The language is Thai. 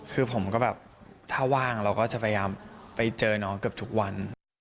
คือผมก็แบบถ้าว่างเราก็จะพยายามไปเจอน้องเกือบทุกวัน